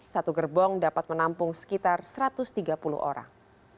satu gerbong dapat menampung sekitar satu ratus tiga puluh orang